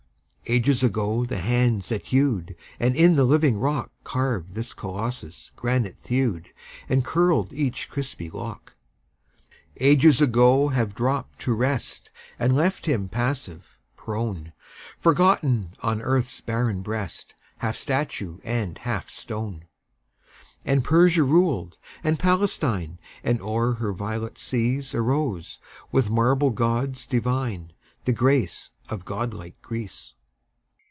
Ages ago the hands that hewed, And in the living rock Carved this Colossus, granite thewed And curled each crispy lock: Ages ago have dropped to rest And left him passive, prone, Forgotten on earth's barren breast, Half statue and half stone. And Persia ruled and Palestine; And o'er her violet seas Arose, with marble gods divine, The grace of god like Greece.